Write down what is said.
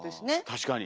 確かに。